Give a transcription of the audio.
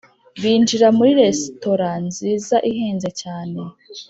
binjira muri resitora nziza ihenze cyane